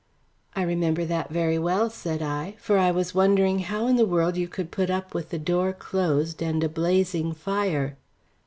"I remember that very well," said I, "for I was wondering how in the world you could put up with the door closed and a blazing fire."